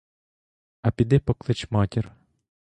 А піди поклич матір.